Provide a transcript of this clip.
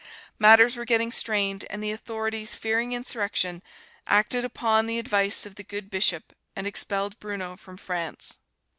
Matters were getting strained, and the authorities, fearing insurrection, acted upon the advice of the good Bishop and expelled Bruno from France.